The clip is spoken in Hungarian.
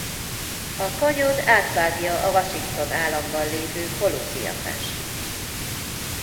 A kanyon átvágja a Washington államban lévő Columbia-fennsíkot.